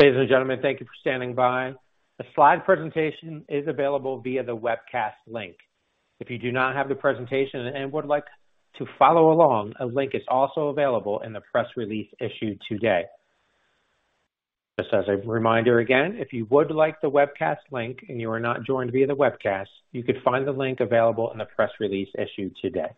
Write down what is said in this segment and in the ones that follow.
Ladies and gentlemen, thank you for standing by. A slide presentation is available via the webcast link. If you do not have the presentation and would like to follow along, a link is also available in the press release issued today. Just as a reminder again, if you would like the webcast link and you are not joined via the webcast, you could find the link available in the press release issued today.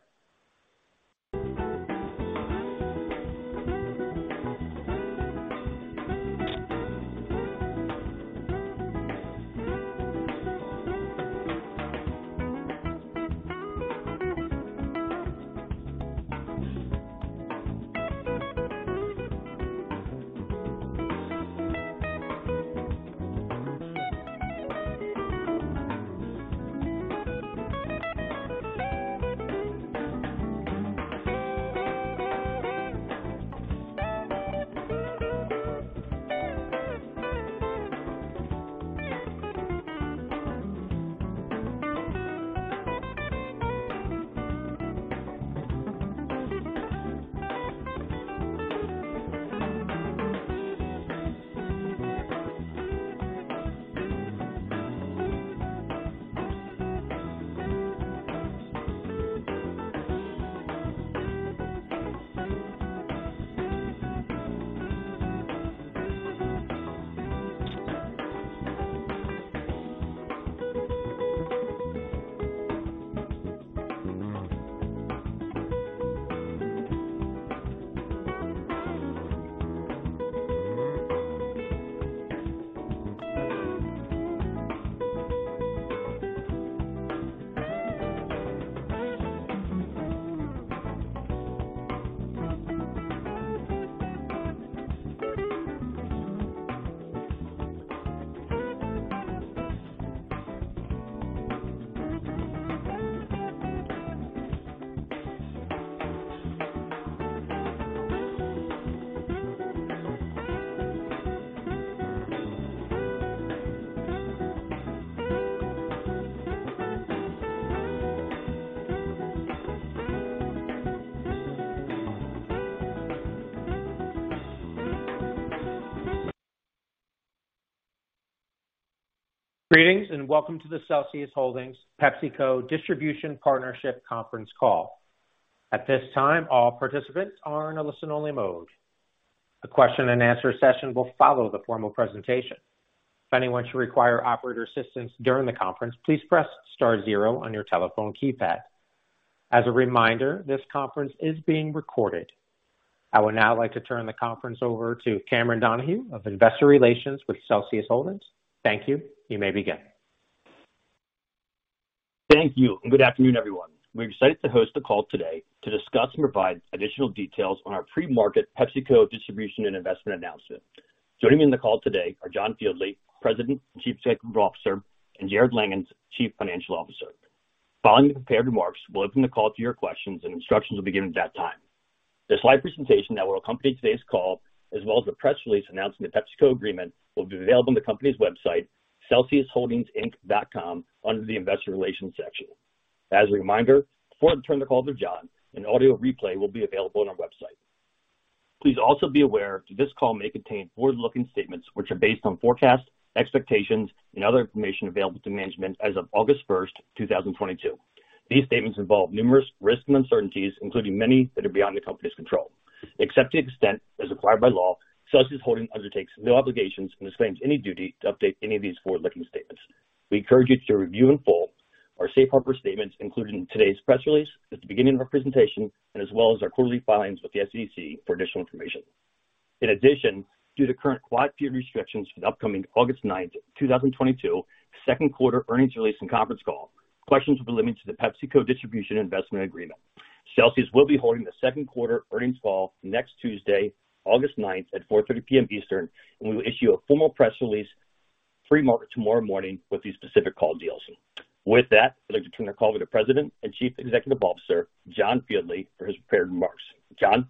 Greetings, and welcome to the Celsius Holdings PepsiCo Distribution Partnership conference call. At this time, all participants are in a listen-only mode. A question and answer session will follow the formal presentation. If anyone should require operator assistance during the conference, please press star zero on your telephone keypad. As a reminder, this conference is being recorded. I would now like to turn the conference over to Cameron Donahue of Investor Relations with Celsius Holdings. Thank you. You may begin. Thank you. Good afternoon, everyone. We're excited to host the call today to discuss and provide additional details on our pre-market PepsiCo distribution and investment announcement. Joining me on the call today are John Fieldly, President and Chief Executive Officer, and Jarrod Langhans, Chief Financial Officer. Following the prepared remarks, we'll open the call to your questions and instructions will be given at that time. The slide presentation that will accompany today's call, as well as the press release announcing the PepsiCo agreement, will be available on the company's website, celsiusholdingsinc.com, under the Investor Relations section. As a reminder, before I turn the call to John, an audio replay will be available on our website. Please also be aware that this call may contain forward-looking statements which are based on forecasts, expectations and other information available to management as of August 1st, 2022. These statements involve numerous risks and uncertainties, including many that are beyond the company's control. Except to the extent as required by law, Celsius Holdings undertakes no obligations and disclaims any duty to update any of these forward-looking statements. We encourage you to review in full our safe harbor statements included in today's press release at the beginning of our presentation and as well as our quarterly filings with the SEC for additional information. In addition, due to current quiet period restrictions for the upcoming August 9, 2022 second quarter earnings release and conference call, questions will be limited to the PepsiCo distribution investment agreement. Celsius will be holding the second quarter earnings call next Tuesday, August 9, at 4:30 P.M. Eastern, and we will issue a formal press release pre-market tomorrow morning with these specific call details. With that, I'd like to turn the call to the President and Chief Executive Officer, John Fieldly, for his prepared remarks. John?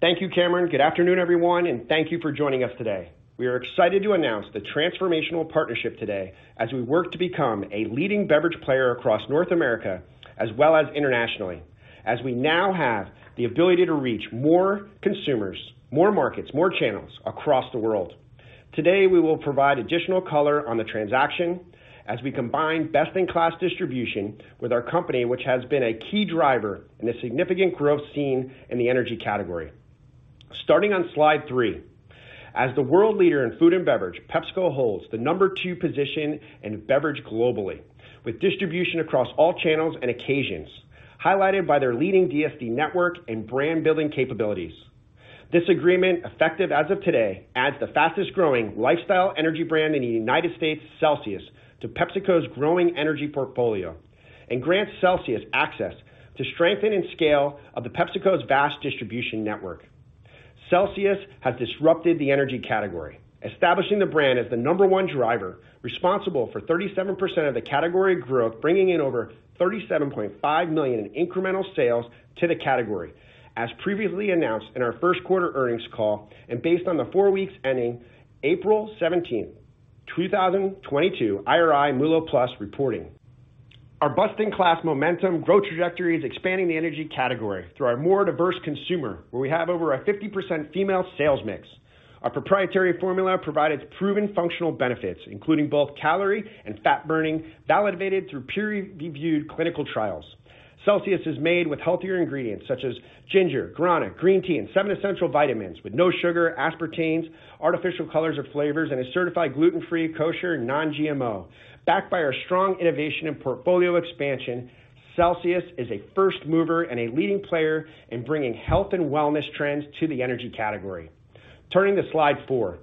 Thank you, Cameron. Good afternoon, everyone, and thank you for joining us today. We are excited to announce the transformational partnership today as we work to become a leading beverage player across North America as well as internationally, as we now have the ability to reach more consumers, more markets, more channels across the world. Today, we will provide additional color on the transaction as we combine best in class distribution with our company, which has been a key driver in the significant growth seen in the energy category. Starting on slide three. As the world leader in food and beverage, PepsiCo holds the number two position in beverage globally, with distribution across all channels and occasions, highlighted by their leading DSD network and brand building capabilities. This agreement, effective as of today, adds the fastest growing lifestyle energy brand in the United States, Celsius, to PepsiCo's growing energy portfolio and grants Celsius access to PepsiCo's vast distribution network to strengthen and scale. Celsius has disrupted the energy category, establishing the brand as the number one driver responsible for 37% of the category growth, bringing in over $37.5 million in incremental sales to the category, as previously announced in our first quarter earnings call and based on the four weeks ending April 17th, 2022 IRI MULO+ reporting. Our best-in-class momentum growth trajectory is expanding the energy category through our more diverse consumer, where we have over a 50% female sales mix. Our proprietary formula provides proven functional benefits, including both calorie and fat burning, validated through peer-reviewed clinical trials. Celsius is made with healthier ingredients such as ginger, guarana, green tea, and seven essential vitamins with no sugar, aspartame, artificial colors or flavors, and is certified gluten-free, kosher, non-GMO. Backed by our strong innovation and portfolio expansion, Celsius is a first mover and a leading player in bringing health and wellness trends to the energy category. Turning to slide four.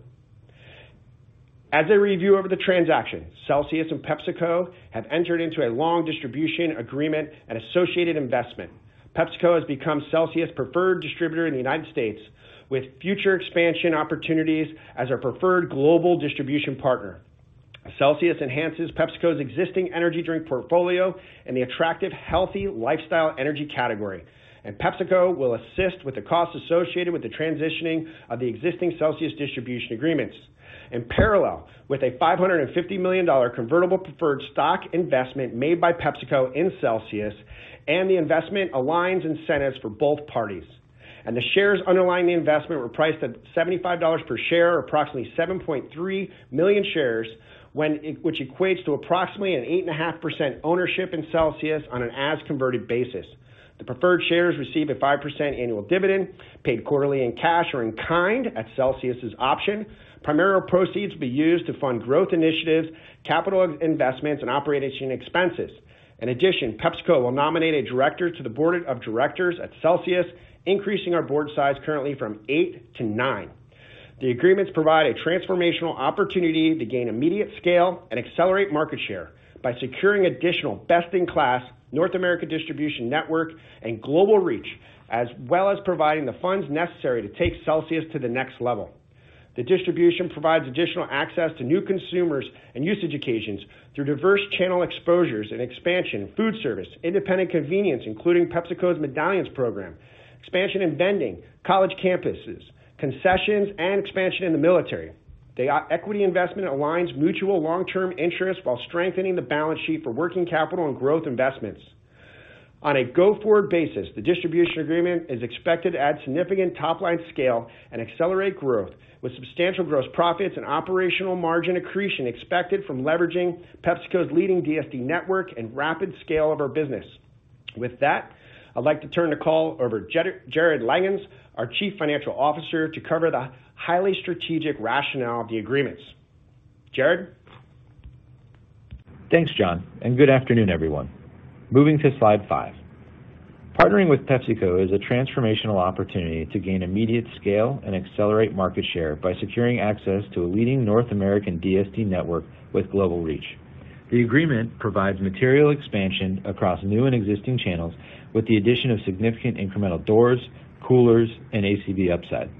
As a review of the transaction, Celsius and PepsiCo have entered into a long distribution agreement and associated investment. PepsiCo has become Celsius preferred distributor in the United States, with future expansion opportunities as our preferred global distribution partner. Celsius enhances PepsiCo's existing energy drink portfolio in the attractive, healthy lifestyle energy category, and PepsiCo will assist with the costs associated with the transitioning of the existing Celsius distribution agreements. In parallel with a $550 million convertible preferred stock investment made by PepsiCo in Celsius, the investment aligns incentives for both parties. The shares underlying the investment were priced at $75 per share, approximately 7.3 million shares, which equates to approximately an 8.5% ownership in Celsius on an as-converted basis. The preferred shares receive a 5% annual dividend, paid quarterly in cash or in kind at Celsius's option. Proceeds will primarily be used to fund growth initiatives, capital investments and operating expenses. In addition, PepsiCo will nominate a director to the board of directors at Celsius, increasing our board size currently from eight to nine. The agreements provide a transformational opportunity to gain immediate scale and accelerate market share by securing additional best in class North American distribution network and global reach, as well as providing the funds necessary to take Celsius to the next level. The distribution provides additional access to new consumers and use occasions through diverse channel exposures and expansion, food service, independent convenience, including PepsiCo's Medallions Program, expansion and vending, college campuses, concessions, and expansion in the military. The equity investment aligns mutual long-term interests while strengthening the balance sheet for working capital and growth investments. On a go-forward basis, the distribution agreement is expected to add significant top line scale and accelerate growth with substantial gross profits and operational margin accretion expected from leveraging PepsiCo's leading DSD network and rapid scale of our business. With that, I'd like to turn the call over to Jarrod Langhans, our Chief Financial Officer, to cover the highly strategic rationale of the agreements. Jarrod? Thanks, John, and good afternoon, everyone. Moving to Slide five. Partnering with PepsiCo is a transformational opportunity to gain immediate scale and accelerate market share by securing access to a leading North American DSD network with global reach. The agreement provides material expansion across new and existing channels with the addition of significant incremental doors, coolers, and ACV upside.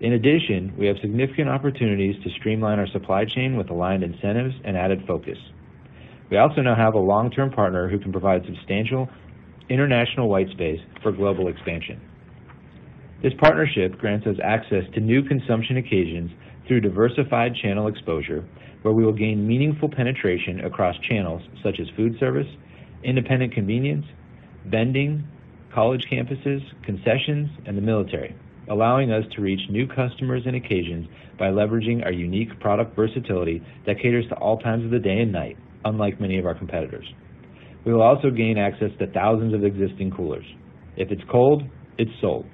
In addition, we have significant opportunities to streamline our supply chain with aligned incentives and added focus. We also now have a long-term partner who can provide substantial international white space for global expansion. This partnership grants us access to new consumption occasions through diversified channel exposure, where we will gain meaningful penetration across channels such as food service, independent convenience, vending, college campuses, concessions, and the military, allowing us to reach new customers and occasions by leveraging our unique product versatility that caters to all times of the day and night, unlike many of our competitors. We will also gain access to thousands of existing coolers. If it's cold, it's sold.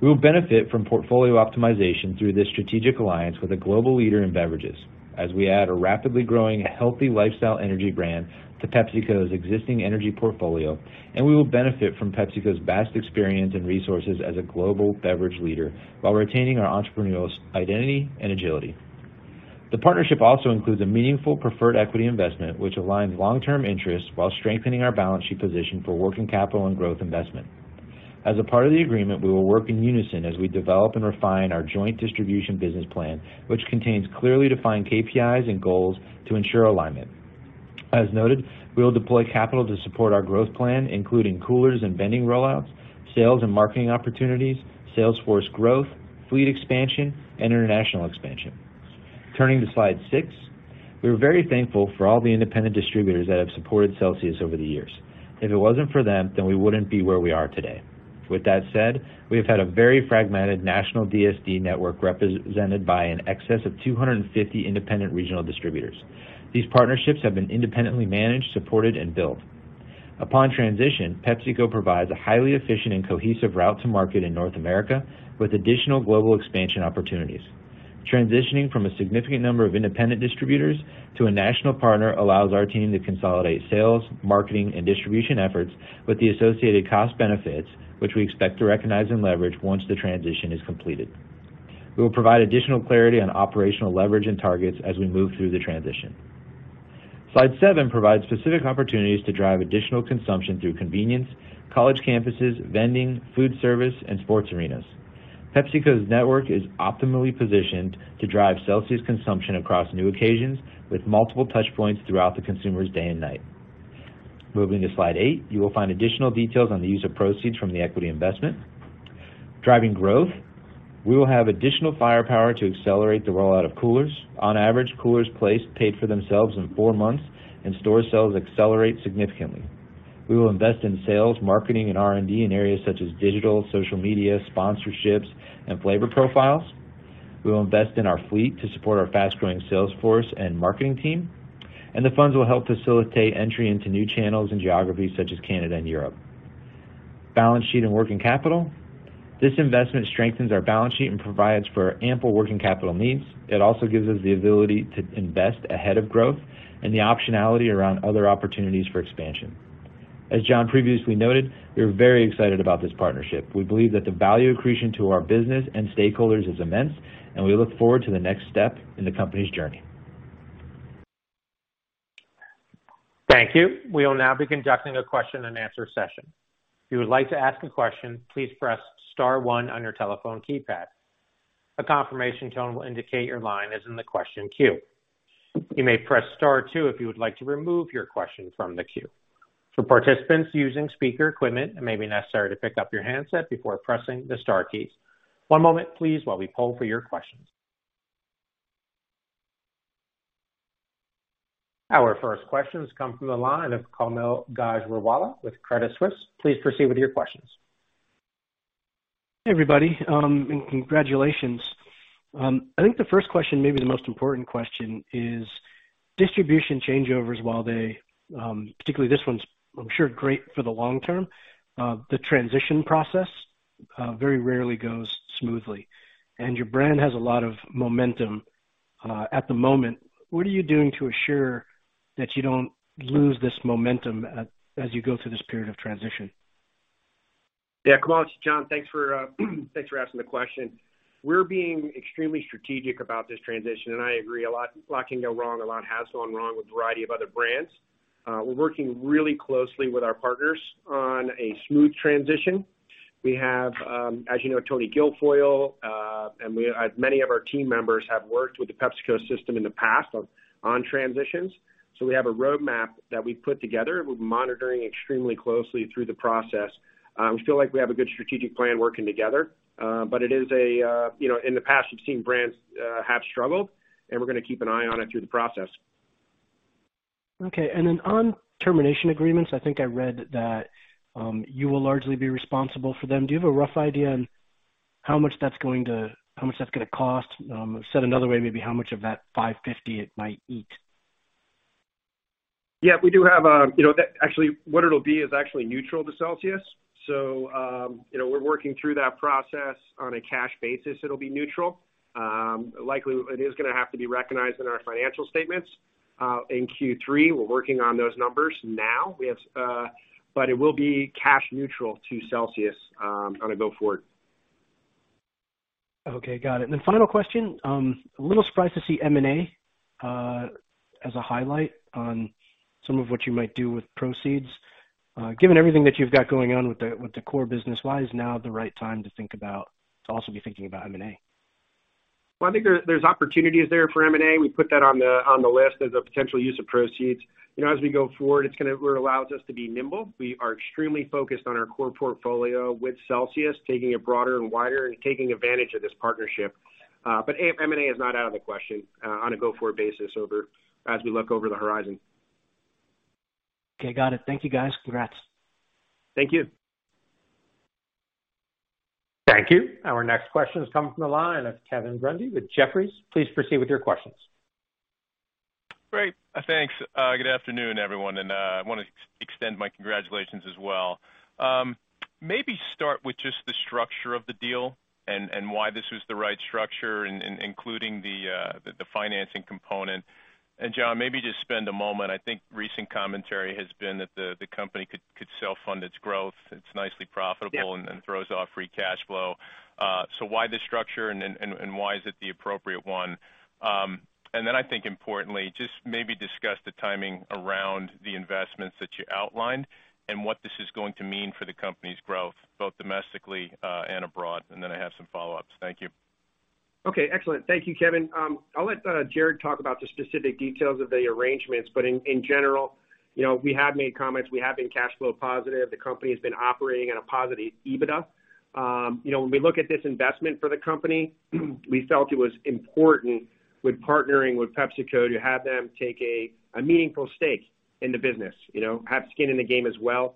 We will benefit from portfolio optimization through this strategic alliance with a global leader in beverages as we add a rapidly growing healthy lifestyle energy brand to PepsiCo's existing energy portfolio, and we will benefit from PepsiCo's vast experience and resources as a global beverage leader while retaining our entrepreneurial identity and agility. The partnership also includes a meaningful preferred equity investment, which aligns long-term interests while strengthening our balance sheet position for working capital and growth investment. As a part of the agreement, we will work in unison as we develop and refine our joint distribution business plan, which contains clearly defined KPIs and goals to ensure alignment. As noted, we will deploy capital to support our growth plan, including coolers and vending rollouts, sales and marketing opportunities, sales force growth, fleet expansion, and international expansion. Turning to slide six. We are very thankful for all the independent distributors that have supported Celsius over the years. If it wasn't for them, then we wouldn't be where we are today. With that said, we have had a very fragmented national DSD network represented by in excess of 250 independent regional distributors. These partnerships have been independently managed, supported, and built. Upon transition, PepsiCo provides a highly efficient and cohesive route to market in North America with additional global expansion opportunities. Transitioning from a significant number of independent distributors to a national partner allows our team to consolidate sales, marketing, and distribution efforts with the associated cost benefits, which we expect to recognize and leverage once the transition is completed. We will provide additional clarity on operational leverage and targets as we move through the transition. Slide seven provides specific opportunities to drive additional consumption through convenience, college campuses, vending, food service, and sports arenas. PepsiCo's network is optimally positioned to drive Celsius consumption across new occasions with multiple touch points throughout the consumer's day and night. Moving to Slide eight, you will find additional details on the use of proceeds from the equity investment. Driving growth. We will have additional firepower to accelerate the rollout of coolers. On average, coolers placed paid for themselves in four months and store sales accelerate significantly. We will invest in sales, marketing, and R&D in areas such as digital, social media, sponsorships, and flavor profiles. We will invest in our fleet to support our fast-growing sales force and marketing team, and the funds will help facilitate entry into new channels and geographies such as Canada and Europe. Balance sheet and working capital. This investment strengthens our balance sheet and provides for ample working capital needs. It also gives us the ability to invest ahead of growth and the optionality around other opportunities for expansion. As John previously noted, we are very excited about this partnership. We believe that the value accretion to our business and stakeholders is immense, and we look forward to the next step in the company's journey. Thank you. We will now be conducting a question-and-answer session. If you would like to ask a question, please press star one on your telephone keypad. A confirmation tone will indicate your line is in the question queue. You may press star two if you would like to remove your question from the queue. For participants using speaker equipment, it may be necessary to pick up your handset before pressing the star keys. One moment, please, while we poll for your questions. Our first questions come from the line of Kaumil Gajrawala with Credit Suisse. Please proceed with your questions. Hey, everybody, and congratulations. I think the first question, maybe the most important question, is distribution changeovers while they, particularly this one's, I'm sure, great for the long term, the transition process very rarely goes smoothly. Your brand has a lot of momentum at the moment. What are you doing to assure that you don't lose this momentum as you go through this period of transition? Yeah. Kaumil, it's John. Thanks for asking the question. We're being extremely strategic about this transition, and I agree a lot can go wrong. A lot has gone wrong with a variety of other brands. We're working really closely with our partners on a smooth transition. We have, as you know, Tony Guilfoyle, and as many of our team members have worked with the PepsiCo system in the past on transitions. We have a roadmap that we've put together. We've been monitoring extremely closely through the process. We feel like we have a good strategic plan working together. But it is a, you know, in the past, we've seen brands have struggled, and we're gonna keep an eye on it through the process. Okay. On termination agreements, I think I read that you will largely be responsible for them. Do you have a rough idea on how much that's gonna cost? Said another way, maybe how much of that $550 it might eat? Yeah, we do have, you know, that actually what it'll be is actually neutral to Celsius. We're working through that process. On a cash basis, it'll be neutral. Likely it is gonna have to be recognized in our financial statements in Q3. We're working on those numbers now. It will be cash neutral to Celsius on a go-forward. Okay. Got it. Final question. A little surprised to see M&A as a highlight on some of what you might do with proceeds. Given everything that you've got going on with the core business, why is now the right time to think about to also be thinking about M&A? Well, I think there's opportunities there for M&A. We put that on the list as a potential use of proceeds. You know, as we go forward, it allows us to be nimble. We are extremely focused on our core portfolio with Celsius, taking it broader and wider and taking advantage of this partnership. But M&A is not out of the question on a go-forward basis as we look over the horizon. Okay. Got it. Thank you, guys. Congrats. Thank you. Thank you. Our next question has come from the line of Kevin Grundy with Jefferies. Please proceed with your questions. Great. Thanks. Good afternoon, everyone, and I want to extend my congratulations as well. Maybe start with just the structure of the deal and why this was the right structure including the financing component. John, maybe just spend a moment. I think recent commentary has been that the company could self-fund its growth. It's nicely profitable. Yeah. throws off free cash flow. Why this structure and then why is it the appropriate one? I think importantly, just maybe discuss the timing around the investments that you outlined and what this is going to mean for the company's growth, both domestically and abroad, and then I have some follow-ups. Thank you. Okay. Excellent. Thank you, Kevin. I'll let Jarrod talk about the specific details of the arrangements. In general, you know, we have made comments, we have been cash flow positive. The company has been operating at a positive EBITDA. You know, when we look at this investment for the company, we felt it was important when partnering with PepsiCo to have them take a meaningful stake in the business, you know, have skin in the game as well.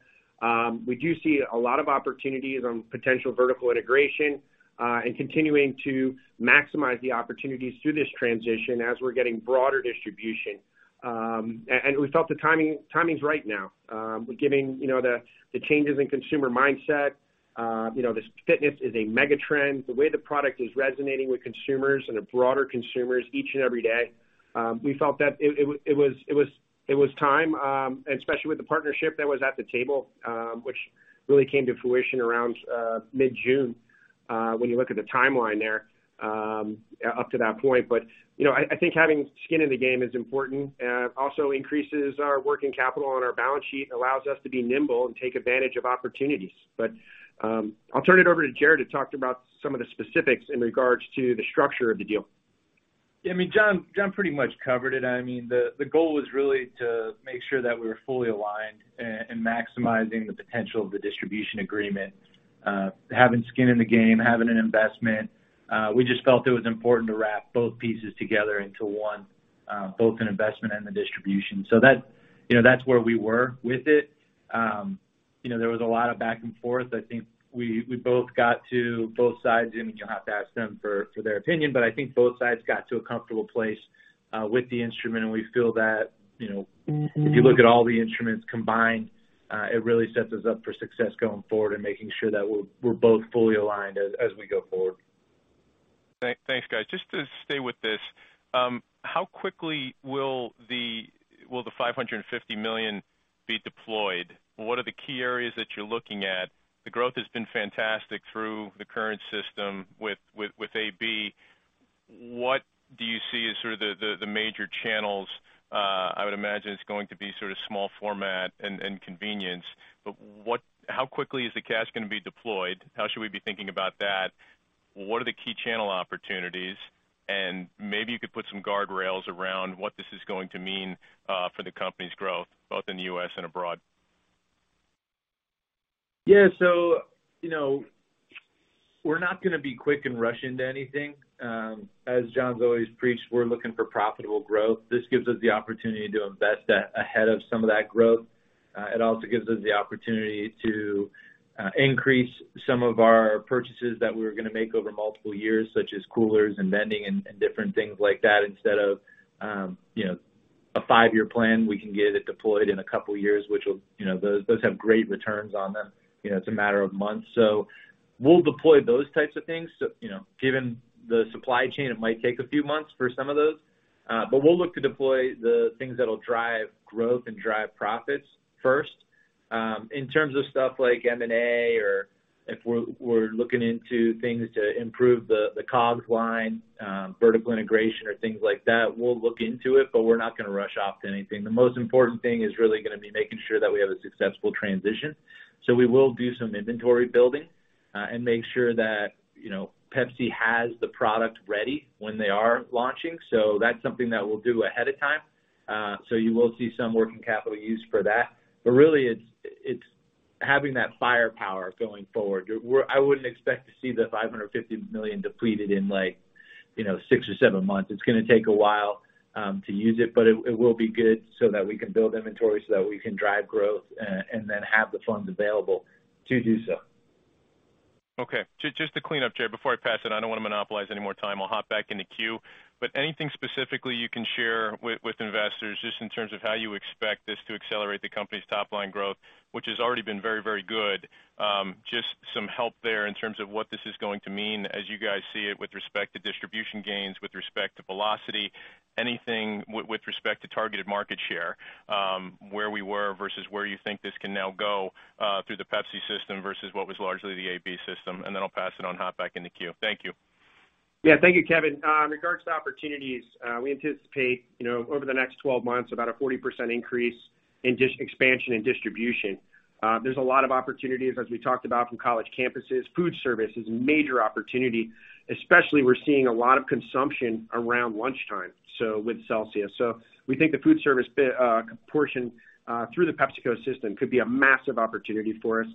We do see a lot of opportunities on potential vertical integration, and continuing to maximize the opportunities through this transition as we're getting broader distribution. And we felt the timing's right now, given you know, the changes in consumer mindset, you know, this fitness is a mega trend. The way the product is resonating with consumers and the broader consumers each and every day, we felt that it was time, and especially with the partnership that was at the table, which really came to fruition around mid-June, when you look at the timeline there, up to that point. You know, I think having skin in the game is important. Also increases our working capital on our balance sheet, allows us to be nimble and take advantage of opportunities. I'll turn it over to Jarrod to talk about some of the specifics in regards to the structure of the deal. Yeah, I mean, John pretty much covered it. I mean, the goal was really to make sure that we were fully aligned in maximizing the potential of the distribution agreement, having skin in the game, having an investment. We just felt it was important to wrap both pieces together into one, both an investment and the distribution. That, you know, that's where we were with it. You know, there was a lot of back and forth. I think we both got to both sides, and you'll have to ask them for their opinion. But I think both sides got to a comfortable place with the instrument, and we feel that, you know. If you look at all the instruments combined, it really sets us up for success going forward and making sure that we're both fully aligned as we go forward. Thanks, guys. Just to stay with this, how quickly will the $550 million be deployed? What are the key areas that you're looking at? The growth has been fantastic through the current system with Anheuser-Busch. What do you see as sort of the major channels? I would imagine it's going to be sort of small format and convenience, but how quickly is the cash gonna be deployed? How should we be thinking about that? What are the key channel opportunities? Maybe you could put some guardrails around what this is going to mean for the company's growth, both in the U.S. and abroad. Yeah. You know, we're not gonna be quick and rush into anything. As John's always preached, we're looking for profitable growth. This gives us the opportunity to invest ahead of some of that growth. It also gives us the opportunity to increase some of our purchases that we were gonna make over multiple years, such as coolers and vending and different things like that. Instead of a five-year plan, we can get it deployed in a couple of years, which will, you know, those have great returns on them. You know, it's a matter of months. We'll deploy those types of things. You know, given the supply chain, it might take a few months for some of those. We'll look to deploy the things that'll drive growth and drive profits first. In terms of stuff like M&A or if we're looking into things to improve the COGS line, vertical integration or things like that, we'll look into it, but we're not gonna rush off to anything. The most important thing is really gonna be making sure that we have a successful transition. We will do some inventory building, and make sure that, you know, PepsiCo has the product ready when they are launching. That's something that we'll do ahead of time. You will see some working capital use for that. Really it's having that firepower going forward. I wouldn't expect to see the $550 million depleted in, like, you know, six or seven months. It's gonna take a while to use it, but it will be good so that we can build inventory so that we can drive growth and then have the funds available to do so. Okay. Just to clean up, Jarrod, before I pass it, I don't want to monopolize any more time. I'll hop back in the queue. Anything specifically you can share with investors just in terms of how you expect this to accelerate the company's top line growth, which has already been very, very good. Just some help there in terms of what this is going to mean as you guys see it with respect to distribution gains, with respect to velocity, anything with respect to targeted market share, where we were versus where you think this can now go, through the PepsiCo system versus what was largely the Anheuser-Busch system. Then I'll pass it on, hop back in the queue. Thank you. Yeah. Thank you, Kevin. In regards to opportunities, we anticipate, you know, over the next 12 months, about a 40% increase in expansion and distribution. There's a lot of opportunities, as we talked about, from college campuses. Food service is a major opportunity, especially we're seeing a lot of consumption around lunchtime, so with Celsius. We think the food service portion, through the PepsiCo system could be a massive opportunity for us.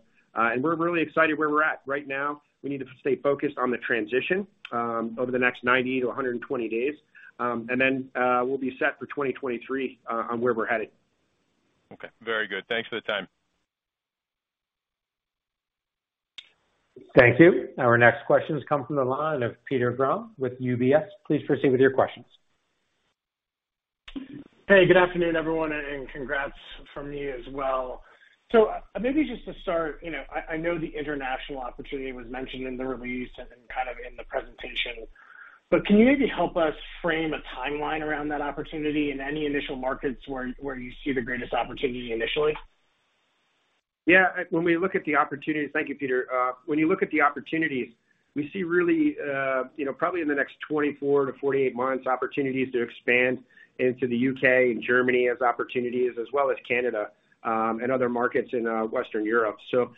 We're really excited where we're at right now. We need to stay focused on the transition, over the next 90-120 days. We'll be set for 2023 on where we're headed. Okay. Very good. Thanks for the time. Thank you. Our next question comes from the line of Peter Grom with UBS. Please proceed with your questions. Hey, good afternoon, everyone, and congrats from me as well. Maybe just to start, you know, I know the international opportunity was mentioned in the release and kind of in the presentation, but can you maybe help us frame a timeline around that opportunity in any initial markets where you see the greatest opportunity initially? Yeah. When we look at the opportunities. Thank you, Peter Grom. When you look at the opportunities, we see really, you know, probably in the next 24-48 months, opportunities to expand into the U.K. and Germany as opportunities, as well as Canada, and other markets in Western Europe. You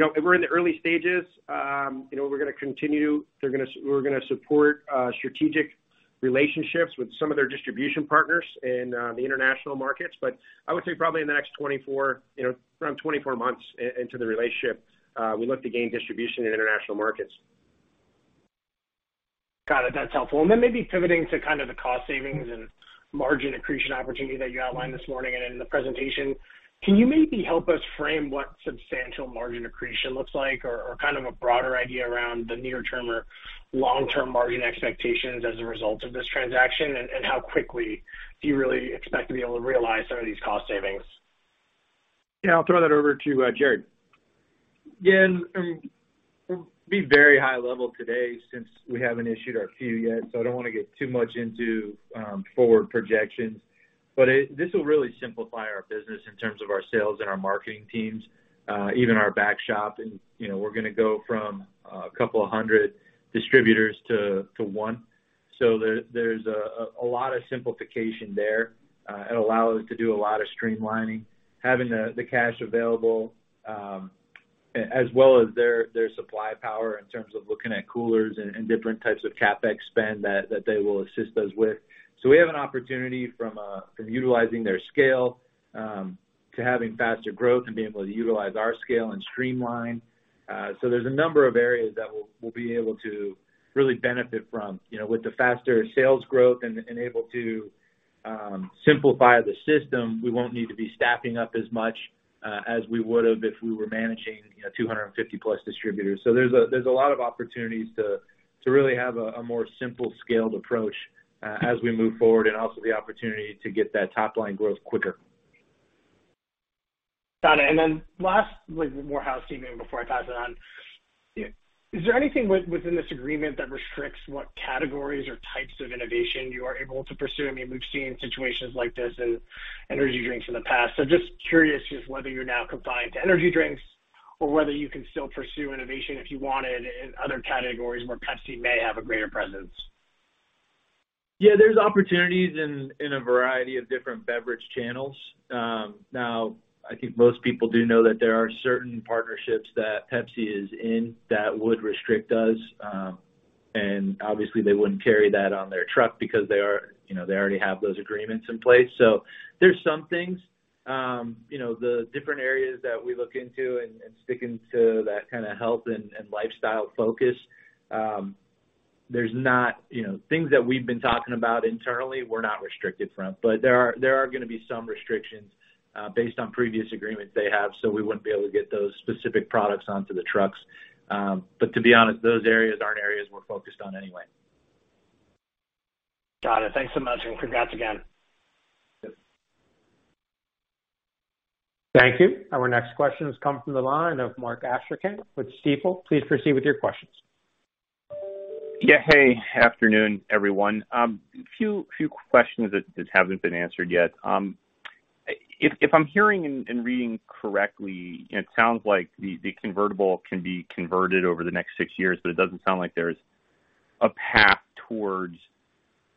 know, we're in the early stages. You know, we're gonna continue. We're gonna support strategic relationships with some of their distribution partners in the international markets. I would say probably in the next 24, you know, around 24 months into the relationship, we look to gain distribution in international markets. Got it. That's helpful. Maybe pivoting to kind of the cost savings and margin accretion opportunity that you outlined this morning and in the presentation, can you maybe help us frame what substantial margin accretion looks like or kind of a broader idea around the near term or long-term margin expectations as a result of this transaction? How quickly do you really expect to be able to realize some of these cost savings? Yeah. I'll throw that over to Jarrod. Yeah. We'll be very high level today since we haven't issued our Q yet, so I don't wanna get too much into forward projections. This will really simplify our business in terms of our sales and our marketing teams, even our back shop. You know, we're gonna go from a couple of hundred distributors to one. There's a lot of simplification there. It'll allow us to do a lot of streamlining. Having the cash available, as well as their supply power in terms of looking at coolers and different types of CapEx spend that they will assist us with. We have an opportunity from utilizing their scale to having faster growth and being able to utilize our scale and streamline. There's a number of areas that we'll be able to really benefit from. You know, with the faster sales growth and able to simplify the system, we won't need to be staffing up as much as we would've if we were managing, you know, 250+ distributors. There's a lot of opportunities to really have a more simple scaled approach as we move forward and also the opportunity to get that top-line growth quicker. Got it. Then last, like more housekeeping before I pass it on. Is there anything within this agreement that restricts what categories or types of innovation you are able to pursue? I mean, we've seen situations like this in energy drinks in the past. Just curious just whether you're now confined to energy drinks or whether you can still pursue innovation if you wanted in other categories where PepsiCo may have a greater presence? Yeah. There's opportunities in a variety of different beverage channels. Now, I think most people do know that there are certain partnerships that PepsiCo is in that would restrict us, and obviously, they wouldn't carry that on their truck because they are, you know, they already have those agreements in place. There's some things, you know, the different areas that we look into and sticking to that kind of health and lifestyle focus, there's not. You know, things that we've been talking about internally we're not restricted from. There are gonna be some restrictions based on previous agreements they have, so we wouldn't be able to get those specific products onto the trucks. To be honest, those areas aren't areas we're focused on anyway. Got it. Thanks so much, and congrats again. Yep. Thank you. Our next question has come from the line of Mark Astrachan with Stifel. Please proceed with your questions. Good afternoon, everyone. A few questions that haven't been answered yet. If I'm hearing and reading correctly, it sounds like the convertible can be converted over the next six years, but it doesn't sound like there's a path towards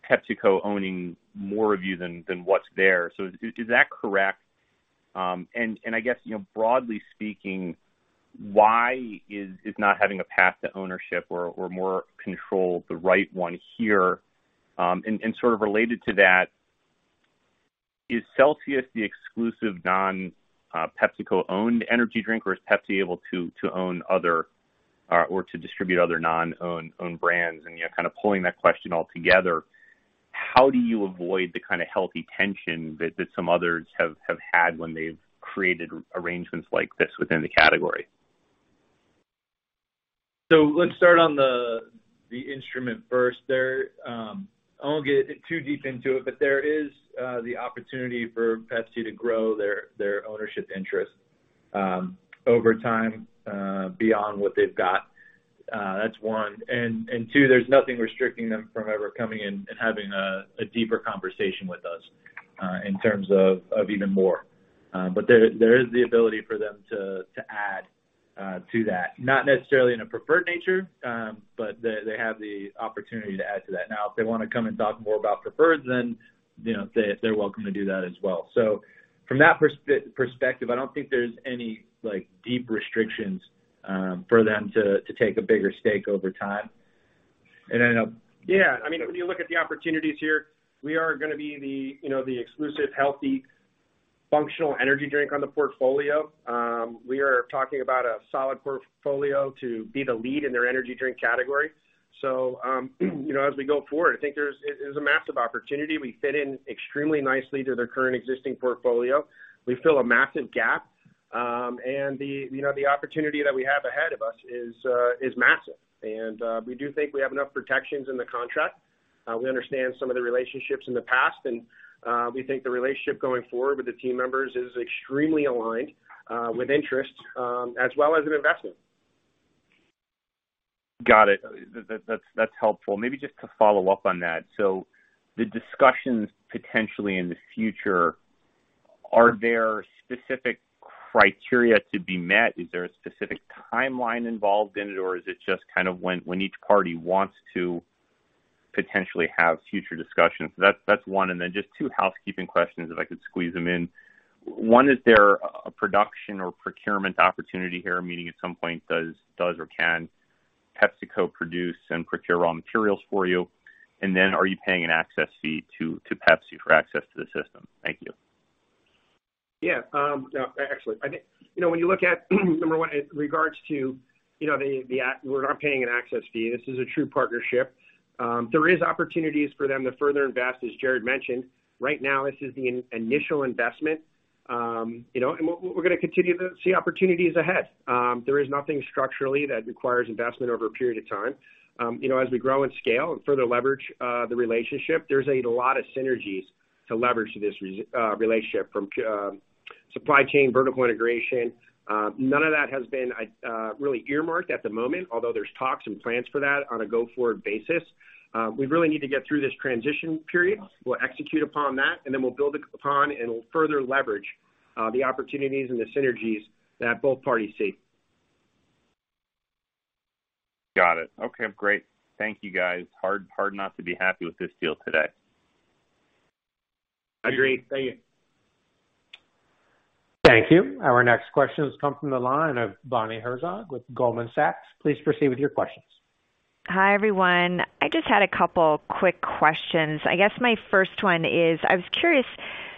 PepsiCo owning more of you than what's there. Is that correct? I guess, you know, broadly speaking, why is not having a path to ownership or more control the right one here? Sort of related to that, is Celsius the exclusive non PepsiCo owned energy drink, or is Pepsi able to own other or to distribute other non-owned or owned brands? You know, kind of pulling that question all together, how do you avoid the kind of healthy tension that some others have had when they've created arrangements like this within the category? Let's start on the instrument first. I won't get too deep into it, but there is the opportunity for PepsiCo to grow their ownership interest over time beyond what they've got. That's one. Two, there's nothing restricting them from ever coming and having a deeper conversation with us in terms of even more. But there is the ability for them to add to that, not necessarily in a preferred nature, but they have the opportunity to add to that. Now, if they wanna come and talk more about preferred, then, you know, they're welcome to do that as well. From that perspective, I don't think there's any like deep restrictions for them to take a bigger stake over time. I know- Yeah. I mean, when you look at the opportunities here, we are gonna be the, you know, the exclusive healthy functional energy drink on the portfolio. We are talking about a solid portfolio to be the lead in their energy drink category. As we go forward, I think it is a massive opportunity. We fit in extremely nicely to their current existing portfolio. We fill a massive gap. The opportunity that we have ahead of us is massive. We do think we have enough protections in the contract. We understand some of the relationships in the past, and we think the relationship going forward with the team members is extremely aligned with interest, as well as an investment. Got it. That's helpful. Maybe just to follow up on that. The discussions potentially in the future, are there specific criteria to be met? Is there a specific timeline involved in it, or is it just kind of when each party wants to potentially have future discussions? That's one. Just two housekeeping questions if I could squeeze them in. One, is there a production or procurement opportunity here, meaning at some point, does or can PepsiCo produce and procure raw materials for you? Are you paying an access fee to Pepsi for access to the system? Thank you. Yeah. No, actually, I think, you know, when you look at, number one, in regards to, you know, we're not paying an access fee. This is a true partnership. There is opportunities for them to further invest, as Jarrod mentioned. Right now this is the initial investment. You know, we're gonna continue to see opportunities ahead. There is nothing structurally that requires investment over a period of time. You know, as we grow and scale and further leverage the relationship, there's a lot of synergies to leverage this relationship from supply chain, vertical integration. None of that has been really earmarked at the moment, although there's talks and plans for that on a go-forward basis. We really need to get through this transition period. We'll execute upon that, and then we'll build upon and we'll further leverage the opportunities and the synergies that both parties see. Got it. Okay, great. Thank you, guys. Hard not to be happy with this deal today. Agreed. Thank you. Our next question has come from the line of Bonnie Herzog with Goldman Sachs. Please proceed with your questions. Hi, everyone. I just had a couple quick questions. I guess my first one is, I was curious,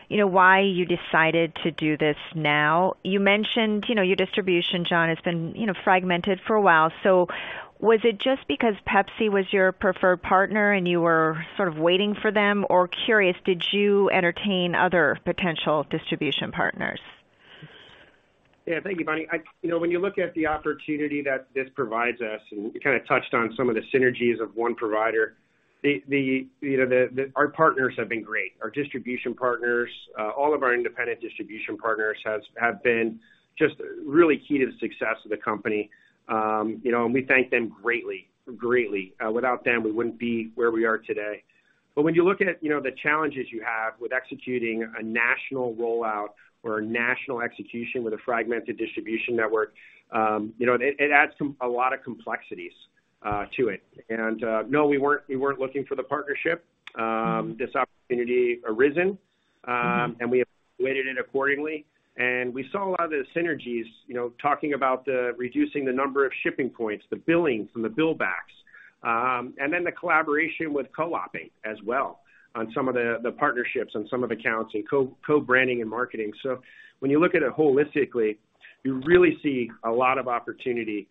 you know, why you decided to do this now. You mentioned, you know, your distribution, John, has been, you know, fragmented for a while. Was it just because PepsiCo was your preferred partner and you were sort of waiting for them? Curious, did you entertain other potential distribution partners? Yeah, thank you, Bonnie. You know, when you look at the opportunity that this provides us, and we kind of touched on some of the synergies of one provider. Our partners have been great. Our distribution partners, all of our independent distribution partners have been just really key to the success of the company. You know, and we thank them greatly. Without them, we wouldn't be where we are today. When you look at, you know, the challenges you have with executing a national rollout or a national execution with a fragmented distribution network, you know, it adds a lot of complexities to it. No, we weren't looking for the partnership. This opportunity arisen, and we evaluated it accordingly. We saw a lot of the synergies, you know, talking about reducing the number of shipping points, the billing from the billbacks, and then the collaboration with co-opping as well on some of the partnerships on some of the accounts and co-branding and marketing. When you look at it holistically, you really see a lot of opportunity.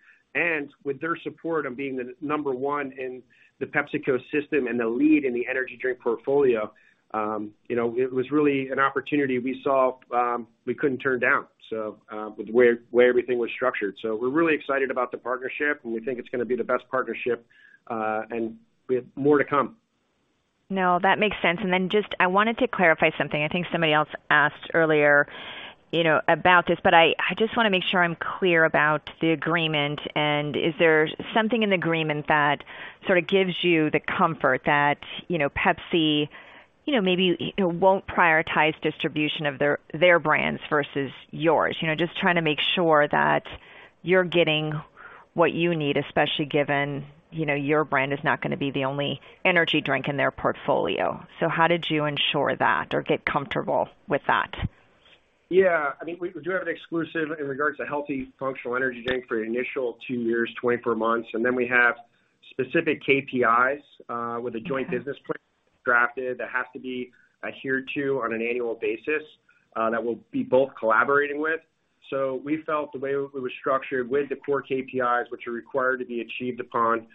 With their support on being the number one in the PepsiCo system and the lead in the energy drink portfolio, you know, it was really an opportunity we saw, we couldn't turn down, so, with the way everything was structured. We're really excited about the partnership, and we think it's gonna be the best partnership, and we have more to come. No, that makes sense. I wanted to clarify something. I think somebody else asked earlier, you know, about this, but I just wanna make sure I'm clear about the agreement. Is there something in the agreement that sort of gives you the comfort that, you know, PepsiCo, you know, maybe won't prioritize distribution of their brands versus yours? You know, just trying to make sure that you're getting what you need, especially given, you know, your brand is not gonna be the only energy drink in their portfolio. How did you ensure that or get comfortable with that? Yeah. I mean, we do have an exclusive in regards to healthy functional energy drink for the initial two years, 24 months. Then we have specific KPIs with the joint business plan drafted that has to be adhered to on an annual basis that we'll be both collaborating with. We felt the way it was structured with the core KPIs, which are required to be achieved upon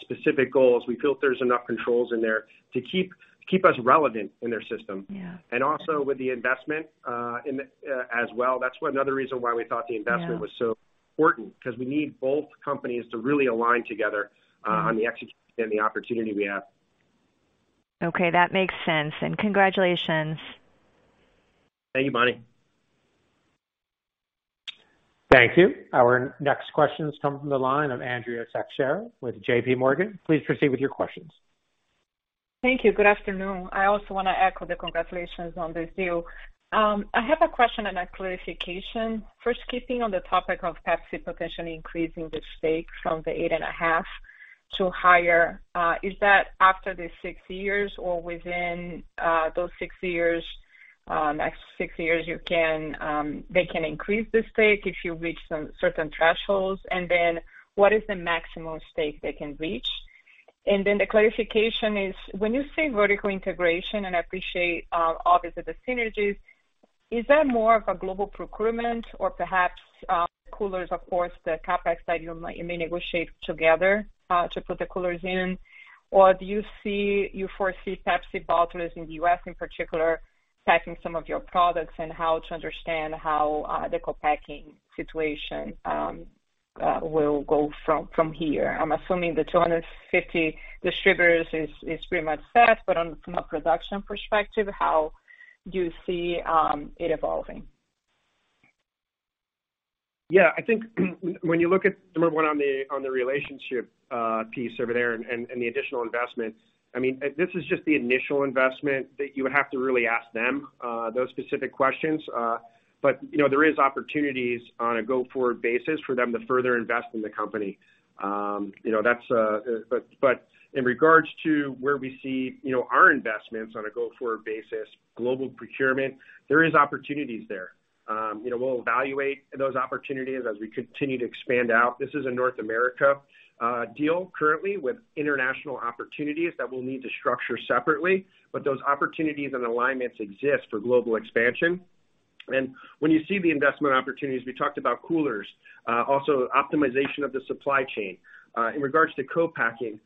specific goals, we feel there's enough controls in there to keep us relevant in their system. Yeah. Also with the investment, in the, as well. That's one other reason why we thought the investment- Yeah. Was so important, because we need both companies to really align together, on the execution and the opportunity we have. Okay, that makes sense. Congratulations. Thank you, Bonnie. Thank you. Our next question comes from the line of Andrea Teixeira with JPMorgan. Please proceed with your questions. Thank you. Good afternoon. I also wanna echo the congratulations on this deal. I have a question and a clarification. First, keeping on the topic of PepsiCo potentially increasing the stake from the eight and a half to higher, is that after the six years or within those six years? At six years, they can increase the stake if you reach some certain thresholds. Then what is the maximum stake they can reach? Then the clarification is when you say vertical integration, and I appreciate obviously the synergies, is that more of a global procurement or perhaps coolers, of course, the CapEx that you might, you may negotiate together to put the coolers in? Do you foresee PepsiCo bottlers in the U.S. in particular packing some of your products and the co-packing situation will go from here? I'm assuming the 250 distributors is pretty much set, but from a production perspective, how do you see it evolving? Yeah. I think when you look at number one on the relationship piece over there and the additional investment, I mean, this is just the initial investment that you would have to really ask them those specific questions. But you know, there is opportunities on a go-forward basis for them to further invest in the company. You know, that's but in regards to where we see, you know, our investments on a go-forward basis, global procurement, there is opportunities there. You know, we'll evaluate those opportunities as we continue to expand out. This is a North America deal currently with international opportunities that we'll need to structure separately, but those opportunities and alignments exist for global expansion. When you see the investment opportunities, we talked about coolers also optimization of the supply chain. In regards to co-packing,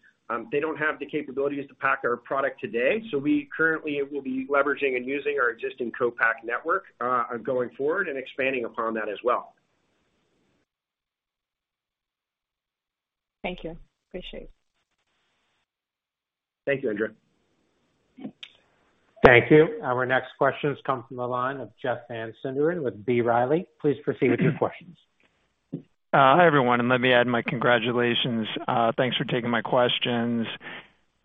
they don't have the capabilities to pack our product today. We currently will be leveraging and using our existing co-pack network, going forward and expanding upon that as well. Thank you. Appreciate it. Thank you, Andrea. Thank you. Our next question comes from the line of Jeff Van Sinderen with B. Riley. Please proceed with your questions. Hi, everyone, and let me add my congratulations. Thanks for taking my questions.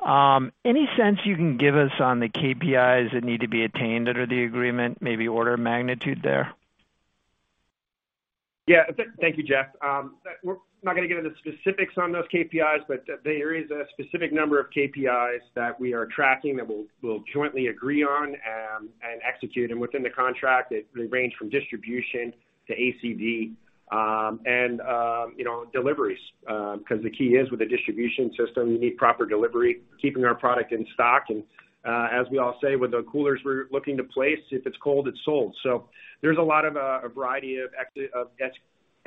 Any sense you can give us on the KPIs that need to be attained under the agreement, maybe order of magnitude there? Yeah. Thank you, Jeff. We're not gonna get into specifics on those KPIs, but there is a specific number of KPIs that we are tracking that we'll jointly agree on and execute. Within the contract, they range from distribution to ACV, you know, deliveries. Because the key is with the distribution system, you need proper delivery, keeping our product in stock. As we all say, with the coolers we're looking to place, if it's cold, it's sold. There's a lot of a variety of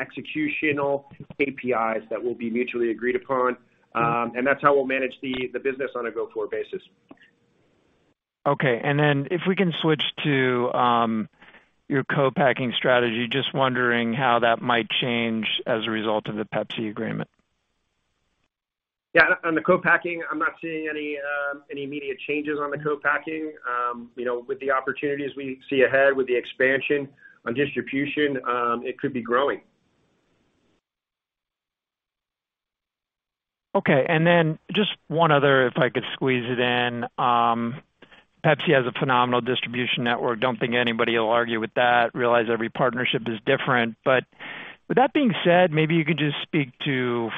executional KPIs that will be mutually agreed upon. That's how we'll manage the business on a go-forward basis. Okay. If we can switch to your co-packing strategy, just wondering how that might change as a result of the PepsiCo agreement. Yeah. On the co-packing, I'm not seeing any immediate changes on the co-packing. You know, with the opportunities we see ahead, with the expansion on distribution, it could be growing. Okay. Just one other, if I could squeeze it in. PepsiCo has a phenomenal distribution network. Don't think anybody will argue with that. Realize every partnership is different. With that being said, maybe you could just speak to,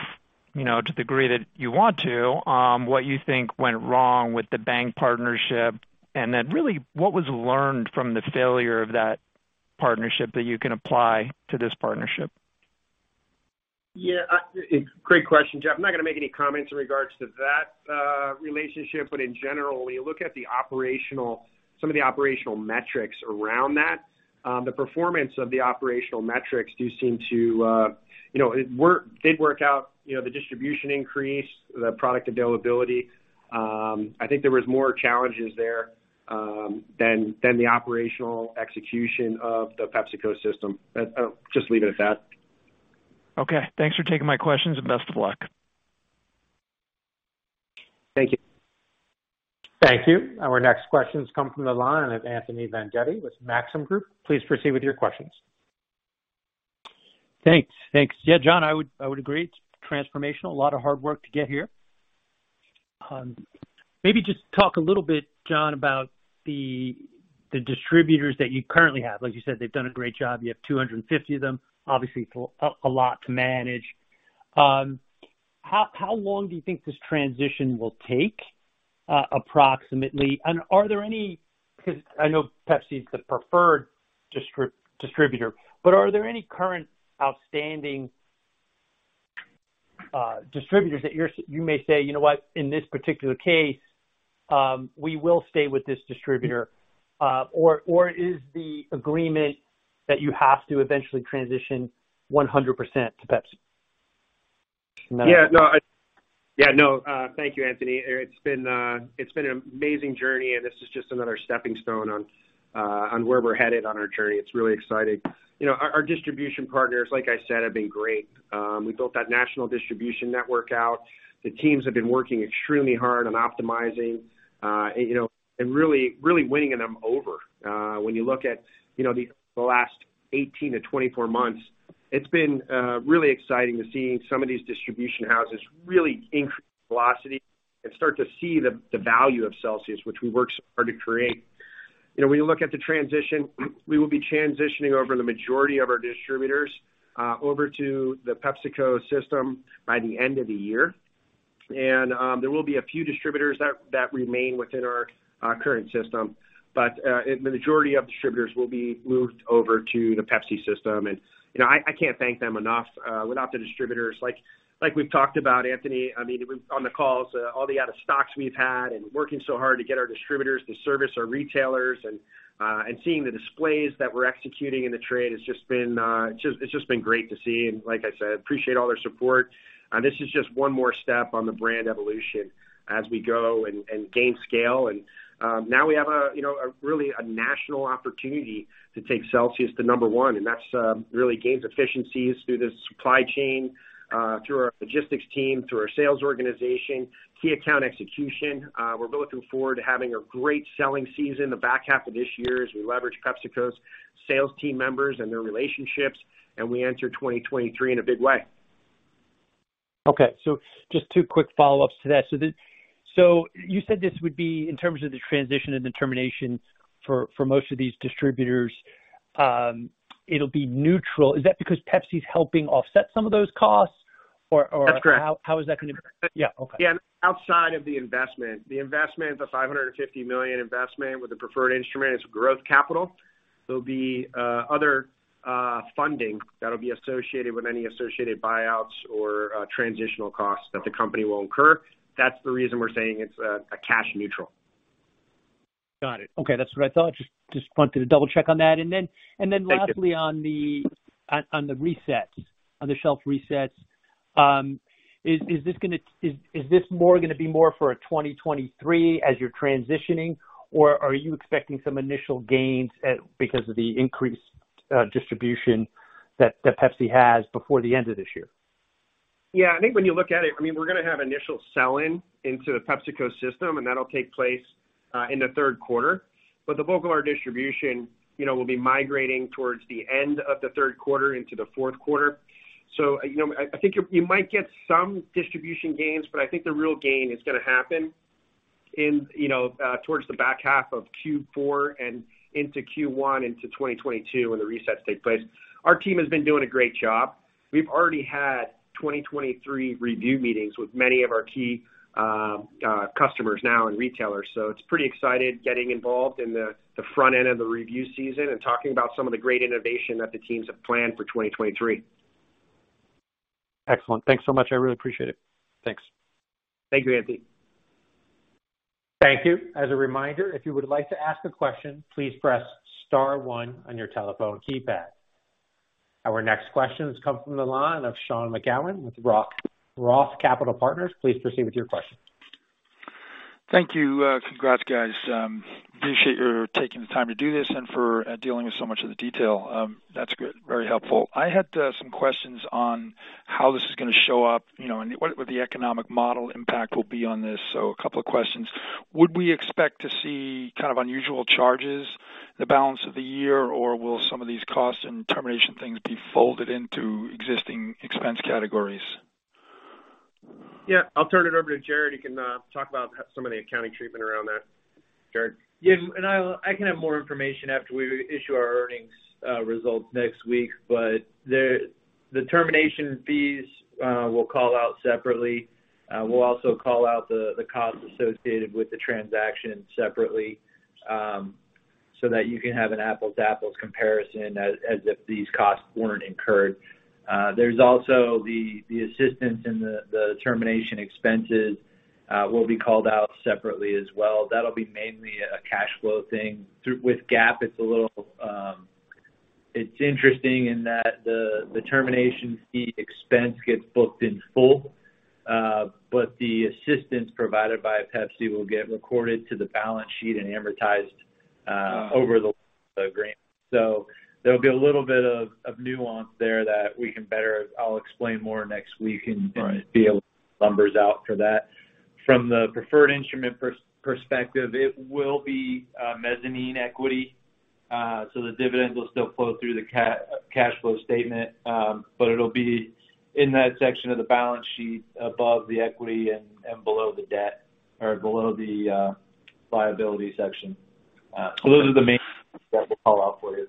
you know, to the degree that you want to, what you think went wrong with the Bang partnership. Really what was learned from the failure of that partnership that you can apply to this partnership? Yeah. Great question, Jeff. I'm not gonna make any comments in regards to that relationship. In general, when you look at some of the operational metrics around that, the performance of the operational metrics do seem to, you know, it did work out, you know, the distribution increase, the product availability. I think there was more challenges there than the operational execution of the PepsiCo system. I'll just leave it at that. Okay. Thanks for taking my questions and best of luck. Thank you. Thank you. Our next question comes from the line of Anthony Vendetti with Maxim Group. Please proceed with your questions. Thanks. Yeah, John, I would agree. It's transformational. A lot of hard work to get here. Maybe just talk a little bit, John, about the distributors that you currently have. Like you said, they've done a great job. You have 250 of them, obviously a lot to manage. How long do you think this transition will take, approximately? I know PepsiCo is the preferred distributor, but are there any current outstanding distributors that you may say, "You know what? In this particular case, we will stay with this distributor." Or is the agreement that you have to eventually transition 100% to PepsiCo? Yeah, no. Thank you, Anthony. It's been an amazing journey, and this is just another stepping stone on where we're headed on our journey. It's really exciting. You know, our distribution partners, like I said, have been great. We built that national distribution network out. The teams have been working extremely hard on optimizing, you know, and really winning them over. When you look at, you know, the last 18-24 months, it's been really exciting to see some of these distribution houses really increase velocity and start to see the value of Celsius, which we worked so hard to create. You know, when you look at the transition, we will be transitioning over the majority of our distributors over to the PepsiCo system by the end of the year. there will be a few distributors that remain within our current system. the majority of distributors will be moved over to the Pepsi system. you know, I can't thank them enough. without the distributors, like we've talked about, Anthony, I mean, on the calls, all the out-of-stocks we've had and working so hard to get our distributors to service our retailers and seeing the displays that we're executing in the trade has just been, it's just been great to see. like I said, appreciate all their support. this is just one more step on the brand evolution as we go and gain scale. now we have you know, a really national opportunity to take Celsius to number one. That's really gaining efficiencies through the supply chain, through our logistics team, through our sales organization, key account execution. We're looking forward to having a great selling season in the back half of this year as we leverage PepsiCo's sales team members and their relationships, and we enter 2023 in a big way. Okay. Just two quick follow-ups to that. You said this would be in terms of the transition and the termination for most of these distributors, it'll be neutral. Is that because PepsiCo is helping offset some of those costs or? That's correct. How is that gonna? Yeah. Okay. Yeah. Outside of the investment. The investment, the $550 million investment with the preferred instrument is growth capital. There'll be other funding that'll be associated with any associated buyouts or transitional costs that the company will incur. That's the reason we're saying it's a cash neutral. Got it. Okay. That's what I thought. Just wanted to double check on that. Lastly on the shelf resets, is this gonna be more for 2023 as you're transitioning or are you expecting some initial gains because of the increased distribution that PepsiCo has before the end of this year? Yeah. I think when you look at it, I mean, we're gonna have initial sell-in into the PepsiCo system, and that'll take place in the third quarter. The bulk of our distribution, you know, will be migrating towards the end of the third quarter into the fourth quarter. You know, I think you might get some distribution gains, but I think the real gain is gonna happen in, you know, towards the back half of Q4 and into Q1 into 2022 when the resets take place. Our team has been doing a great job. We've already had 2023 review meetings with many of our key customers now and retailers. It's pretty exciting getting involved in the front end of the review season and talking about some of the great innovation that the teams have planned for 2023. Excellent. Thanks so much. I really appreciate it. Thanks. Thank you, Anthony. Thank you. As a reminder, if you would like to ask a question, please press star one on your telephone keypad. Our next question has come from the line of Sean McGowan with Roth Capital Partners. Please proceed with your question. Thank you. Congrats, guys. Appreciate your taking the time to do this and for dealing with so much of the detail. That's good. Very helpful. I had some questions on how this is gonna show up, you know, and what the economic model impact will be on this. A couple of questions. Would we expect to see kind of unusual charges the balance of the year, or will some of these costs and termination things be folded into existing expense categories? Yeah, I'll turn it over to Jarrod, he can talk about some of the accounting treatment around that. Jarrod? I can have more information after we issue our earnings results next week, but the termination fees we'll call out separately. We'll also call out the costs associated with the transaction separately, so that you can have an apples to apples comparison as if these costs weren't incurred. There's also the assistance and the termination expenses will be called out separately as well. That'll be mainly a cash flow thing. With GAAP, it's a little interesting in that the termination fee expense gets booked in full, but the assistance provided by PepsiCo will get recorded to the balance sheet and amortized over the life of the agreement. There'll be a little bit of nuance there that we can, I'll explain more next week and All right. be able to get numbers out for that. From the preferred instrument perspective, it will be a mezzanine equity, so the dividends will still flow through the cash flow statement, but it'll be in that section of the balance sheet above the equity and below the debt or below the liability section. Those are the main things that we'll call out for you.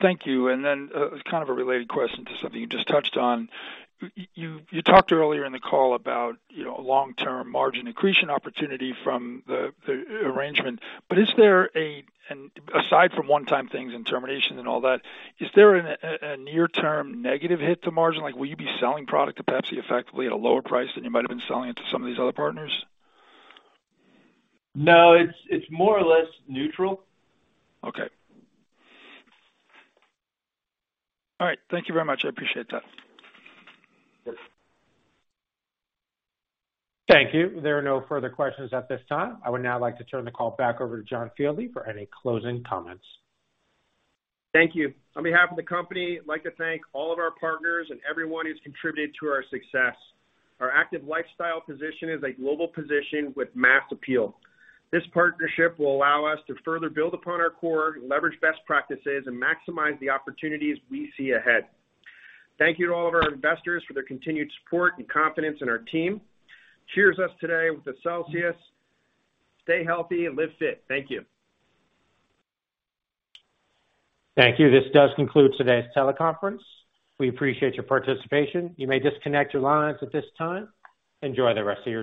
Thank you. It's kind of a related question to something you just touched on. You talked earlier in the call about, you know, long-term margin accretion opportunity from the arrangement. But is there a and aside from one-time things and termination and all that, is there a near-term negative hit to margin? Like, will you be selling product to PepsiCo effectively at a lower price than you might have been selling it to some of these other partners? No, it's more or less neutral. Okay. All right. Thank you very much. I appreciate that. Yes. Thank you. There are no further questions at this time. I would now like to turn the call back over to John Fieldly for any closing comments. Thank you. On behalf of the company, I'd like to thank all of our partners and everyone who's contributed to our success. Our active lifestyle position is a global position with mass appeal. This partnership will allow us to further build upon our core, leverage best practices, and maximize the opportunities we see ahead. Thank you to all of our investors for their continued support and confidence in our team. Cheers to us today with the Celsius. Stay healthy and live fit. Thank you. Thank you. This does conclude today's teleconference. We appreciate your participation. You may disconnect your lines at this time. Enjoy the rest of your day.